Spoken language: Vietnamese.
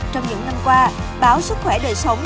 trong những năm qua báo sức khỏe đời sống